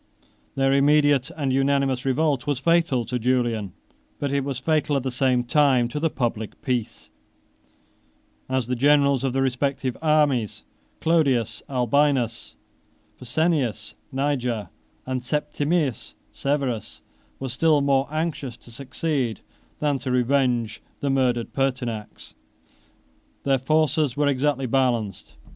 Their immediate and unanimous revolt was fatal to Julian, but it was fatal at the same time to the public peace, as the generals of the respective armies, Clodius Albinus, Pescennius Niger, and Septimius Severus, were still more anxious to succeed than to revenge the murdered Pertinax. Their forces were exactly balanced.